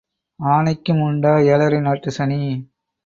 ஆனைக்கும் உண்டா ஏழரை நாட்டுச் சனி?